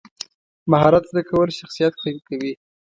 مهارت زده کول شخصیت قوي کوي.